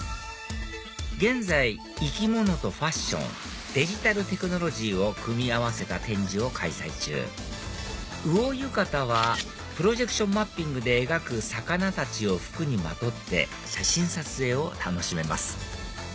現在生き物とファッションデジタルテクノロジーを組み合わせた展示を開催中魚浴衣はプロジェクションマッピングで描く魚たちを服にまとって写真撮影を楽しめます